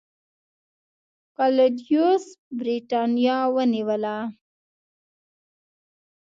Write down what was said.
کلاډیوس برېټانیا ونیوله